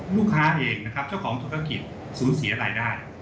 ลูกค้าเองนะครับเจ้าของธุรกิจสูญเสียรายได้